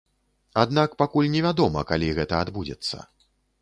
Аднак пакуль невядома, калі гэта адбудзецца.